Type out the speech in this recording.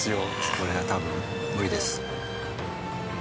これは多分無理です。